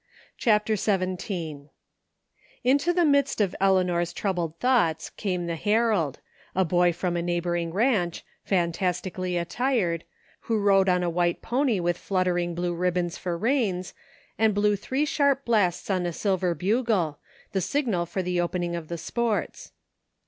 CHAPTER XVII Into the midst of Eleanor's trouibled thoughts came the herald, a boy from a neighboring ranch, fantas tically attired, who rode on a white pony with fluttering blue ribbons for reins, and blew three sharp blasts on a silver bugle, the signal for the opening of the sports.